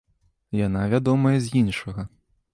Яна вядомая з іншага.